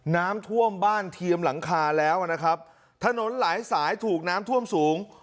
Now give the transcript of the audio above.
น้ำท่วมบ้านเทียมหลังคาแล้วนะครับถนนหลายสายถูกน้ำท่วมสูง